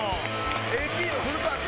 ＡＰの古川君。